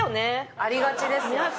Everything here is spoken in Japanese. ありがちですよ。